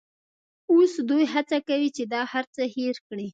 اوس دوی هڅه کوي چې دا هرڅه هېر کړي.